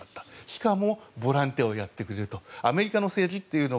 しかもボランティアとやってくれると。